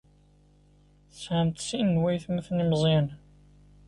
Tesɛamt sin n waytmaten imeẓyanen.